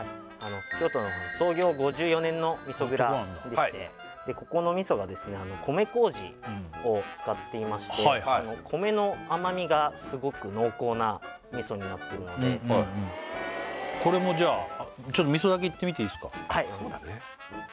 京都の創業５４年の味噌蔵でしてここの味噌が米こうじを使っていまして米の甘みがすごく濃厚な味噌になっているのでこれもじゃあちょっと味噌だけいってみていいですかはい